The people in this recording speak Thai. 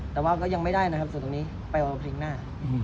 แต่ว่าก็ยังไม่ได้นะครับส่วนตรงนี้ไปเอาเพลงหน้า